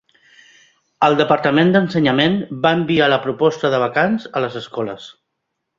El Departament d'Ensenyament va enviar la proposta de vacants a les escoles.